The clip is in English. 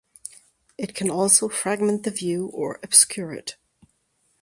It can also fragment the view or obscure it.